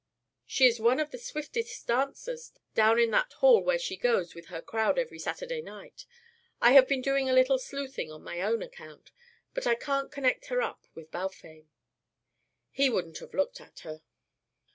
"She is one of the swiftest dancers down in that hall where she goes with her crowd every Saturday night. I have been doing a little sleuthing on my own account, but I can't connect her up with Balfame." "He wouldn't have looked at her."